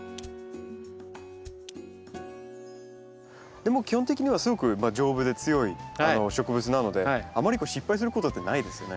でも基本的にはすごく丈夫で強い植物なのであまり失敗することってないですよね？